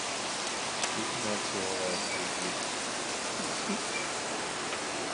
Cik necilvēcīgi.